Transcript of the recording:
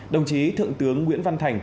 đồng chí thượng tướng nguyễn văn thành